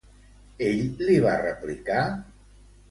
Ell li va replicar?